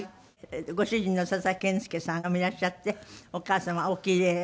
ご主人の佐々木健介さんなんかもいらっしゃってお母様おキレイ。